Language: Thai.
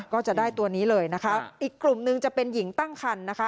ก็จะได้ตัวนี้เลยนะคะอีกกลุ่มหนึ่งจะเป็นหญิงตั้งคันนะคะ